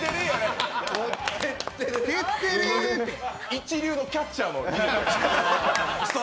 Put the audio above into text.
一流のキャッチャーのリード。